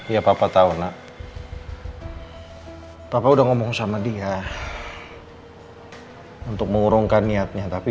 ya papa tahu nak papa udah ngomong sama dia untuk mengurungkan niatnya tapi